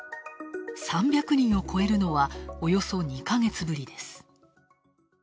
３００人を超えるのはおよそ２か月ぶりです。